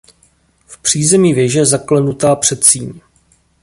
V přízemí věže zaklenutá předsíň.